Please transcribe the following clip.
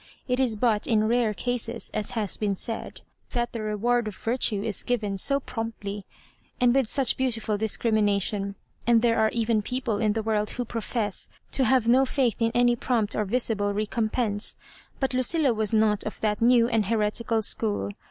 It is but in rare cases, as has been said, that the reward of virtue is given so promptly, and with such beautiful discrimina tion :. and there are even people in the world who profess to have no faith in any prompt or visible recompense. But Lucilla was not of that new and heretical school.